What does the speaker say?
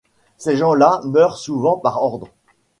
Ces gens-là meurent souvent par ordre...